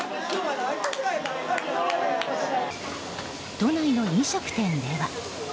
都内の飲食店では。